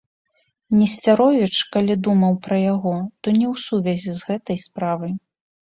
Несцяровіч, калі думаў пра яго, то не ў сувязі з гэтай справай.